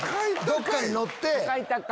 どっかに乗って。